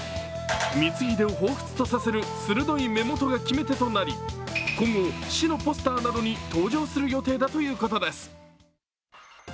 光秀をほうふつとさせる鋭い目元が決め手となり今後、市のポスターなどに登場する予定だということです。